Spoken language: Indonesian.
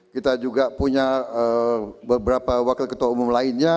kita juga punya beberapa wakil ketua umum lainnya